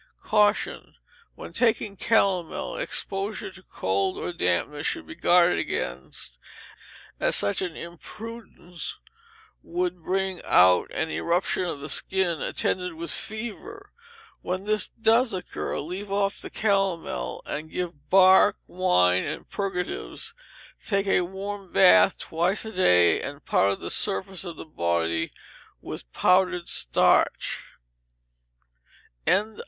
Caution. When taking calomel, exposure to cold or dampness should be guarded against, as such an imprudence would bring out an eruption of the skin, attended with fever. When this does occur, leave off the calomel, and give bark, wine, and purgatives; take a warm bath twice a day, and powder the surface of the body with powdered starch. 714.